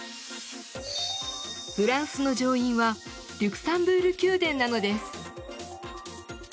フランスの上院はリュクサンブール宮殿なのです。